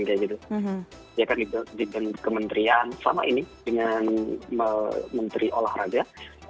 di kementerian sama ini dengan menteri olahraga